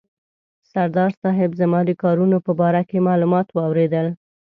سردار صاحب زما د کارونو په باره کې معلومات واورېدل.